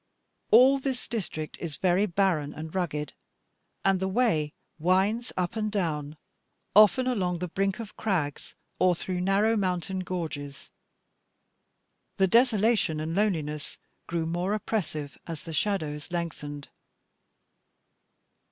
All this district is very barren and rugged, and the way winds up and down, often along the brink of crags, or through narrow mountain gorges. The desolation and loneliness grew more oppressive, as the shadows lengthened.